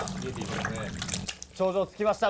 頂上に着きました！